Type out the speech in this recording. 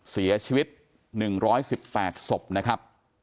เสียชีวิต๑๑๘ศพนะครับ